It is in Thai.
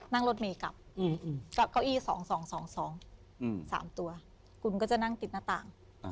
นั่งรถเมย์กลับกับเก้าอี้๒๒๒๒๓ตัวคุณก็จะนั่งติดหน้าต่าง